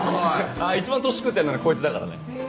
一番年食ってんのねこいつだからね。